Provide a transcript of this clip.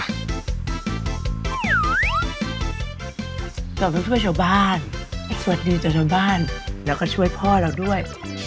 แต่ว่าเราต้องช่วยชาวบ้านควรดีชาวบ้านแล้วก็ช่วยพ่อเราย์ด้วย